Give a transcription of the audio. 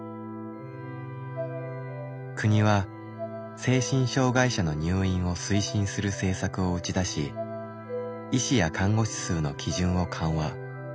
国は精神障害者の入院を推進する政策を打ち出し医師や看護師数の基準を緩和。